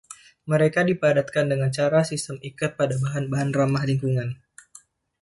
Mereka dipadatkan dengan cara sistem ikat pada bahan-bahan ramah lingkungan.